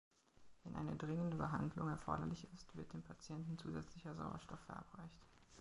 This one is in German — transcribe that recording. Wenn eine dringende Behandlung erforderlich ist, wird dem Patienten zusätzlicher Sauerstoff verabreicht.